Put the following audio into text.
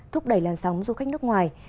thúc đẩy làn sóng du khách nước ngoài